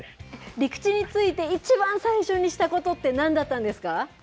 陸地に着いて、一番最初にしたことってなんだったんですか。